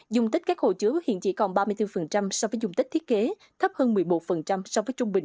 dùng tích các hồ chứa hiện chỉ còn ba mươi bốn so với dùng tích thiết kế thấp hơn một mươi một so với trung bình